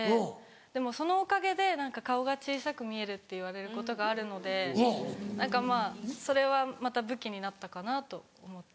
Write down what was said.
でもそのおかげで何か顔が小さく見えるって言われることがあるので何かまぁそれはまた武器になったかなと思って。